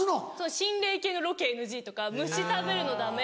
心霊系のロケＮＧとか虫食べるのダメ。